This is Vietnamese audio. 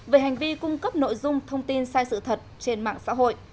về hành vi cung cấp nội dung thông tin sai sự thật trên mạng xã hội